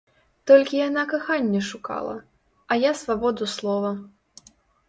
Толькі яна каханне шукала, а я свабоду слова.